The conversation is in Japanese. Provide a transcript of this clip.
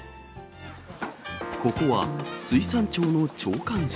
ここは水産庁の長官室。